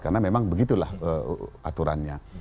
karena memang begitulah aturannya